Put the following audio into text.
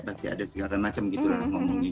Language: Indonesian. pasti ada segala macam gitu lah ngomongnya